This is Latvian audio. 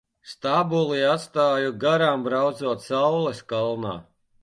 Stabuli atstāju garām braucot saules kalnā.